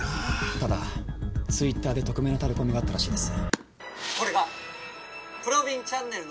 ただＴｗｉｔｔｅｒで匿名のタレコミがあったらしいです。